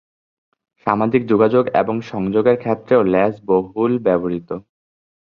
সামাজিক যোগাযোগ এবং সংযোগের ক্ষেত্রেও লেজ বহুল ব্যবহৃত।